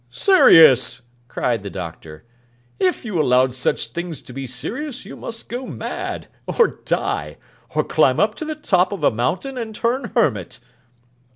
'Serious!' cried the Doctor. 'If you allowed such things to be serious, you must go mad, or die, or climb up to the top of a mountain, and turn hermit.